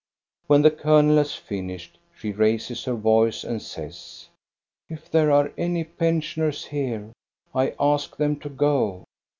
When the colonel has finished, she raises her voice and says, —" If there are any pensioners here, I ask them to go.